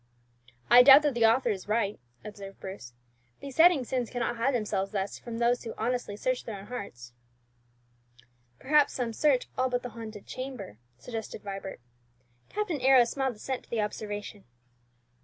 '" "I doubt that the author is right," observed Bruce. "Besetting sins cannot hide themselves thus from those who honestly search their own hearts." "Perhaps some search all but the haunted chamber," suggested Vibert. Captain Arrows smiled assent to the observation.